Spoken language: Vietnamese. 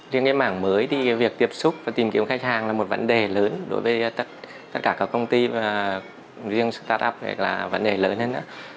trên cái mảng mới thì việc tiếp xúc và tìm kiếm khách hàng là một vấn đề lớn đối với tất cả các công ty và riêng start up là vấn đề lớn hơn nữa